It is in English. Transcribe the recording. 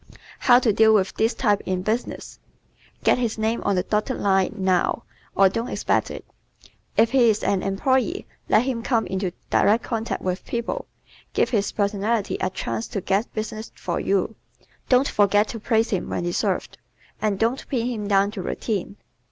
How to Deal with this Type in Business ¶ Get his name on the dotted line NOW, or don't expect it. If he is an employee let him come into direct contact with people, give his personality a chance to get business for you, don't forget to praise him when deserved, and don't pin him down to routine.